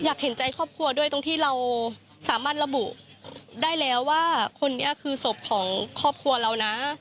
อยากเห็นใจครอบครัวด้วยตรงที่เราสามารถระบุได้แล้วว่าคนนี้คือศพของครอบครัวเรานะ